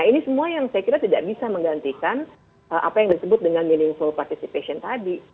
nah ini semua yang saya kira tidak bisa menggantikan apa yang disebut dengan meaningful participation tadi